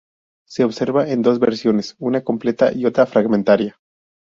Se conserva en dos versiones, una completa y otra fragmentaria.